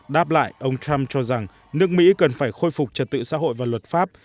đáp lại ông trump cho rằng nước mỹ cần phải khôi phục trật tự xã hội và luật pháp